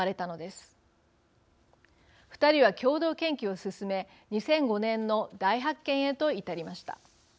２人は共同研究を進め２００５年の大発見へと至りました。